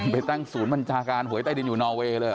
ไปตั้งศูนย์บัญชาการหวยใต้ดินอยู่นอเวย์เลย